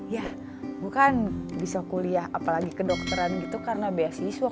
ya bukan bisa kuliah apalagi kedokteran gitu karena beasiswa